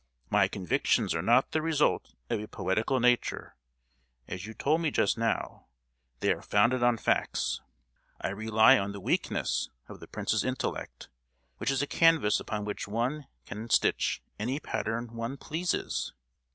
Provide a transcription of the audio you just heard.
"My convictions are not the result of a poetical nature, as you told me just now; they are founded on facts. I rely on the weakness of the prince's intellect—which is a canvas upon which one can stitch any pattern one pleases!